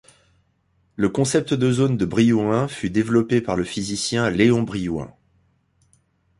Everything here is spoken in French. Le concept de zone de Brillouin fut développé par le physicien Léon Brillouin.